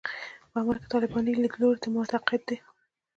په عمل کې طالباني لیدلوري ته معتقد دي.